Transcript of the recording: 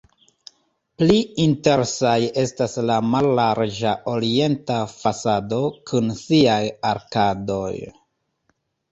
Pli interesaj estas la mallarĝa orienta fasado kun siaj arkadoj.